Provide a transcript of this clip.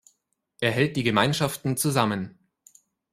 Er hält die Gemeinschaften zusammen.